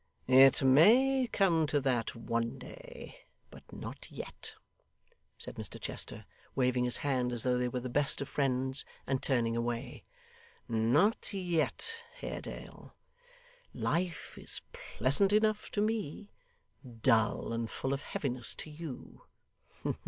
'It MAY come to that one day, but not yet,' said Mr Chester, waving his hand, as though they were the best of friends, and turning away. 'Not yet, Haredale. Life is pleasant enough to me; dull and full of heaviness to you.